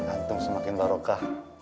antum semakin barokah